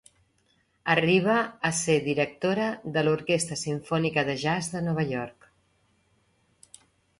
Arriba a ser director de l'Orquestra Simfònica de Jazz de Nova York.